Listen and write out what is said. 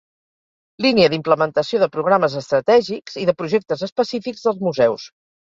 Línia d'implementació de programes estratègics i de projectes específics dels museus.